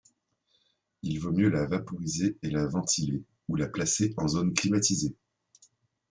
Il vaut mieux la vaporiser et la ventiler, ou la placer en zone climatisée.